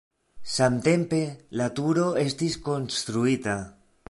Samtempe la turo estis konstruita.